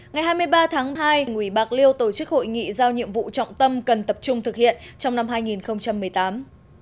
ngày hai mươi ba tháng hai ủy bạc liêu tổ chức hội nghị giao nhiệm vụ trọng tâm cần tập trung thực hiện trong năm hai nghìn một mươi tám